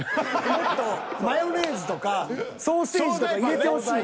もっとマヨネーズとかソーセージとか入れてほしい。